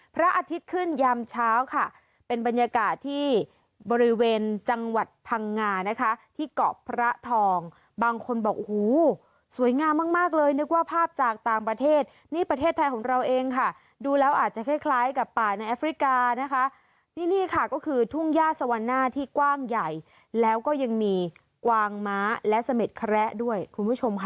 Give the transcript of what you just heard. พระอาทิตย์ขึ้นยามเช้าค่ะเป็นบรรยากาศที่บริเวณจังหวัดพังงานะคะที่เกาะพระทองบางคนบอกโอ้โหสวยงามมากมากเลยนึกว่าภาพจากต่างประเทศนี่ประเทศไทยของเราเองค่ะดูแล้วอาจจะคล้ายคล้ายกับป่าในแอฟริกานะคะนี่นี่ค่ะก็คือทุ่งย่าสวรรณาที่กว้างใหญ่แล้วก็ยังมีกวางม้าและเสม็ดแคระด้วยคุณผู้ชมค่ะ